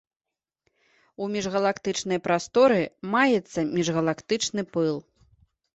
У міжгалактычнай прасторы маецца міжгалактычны пыл.